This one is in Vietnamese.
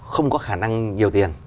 không có khả năng nhiều tiền